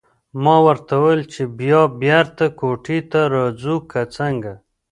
ما ورته وویل چې بیا بېرته کوټې ته راځو که څنګه.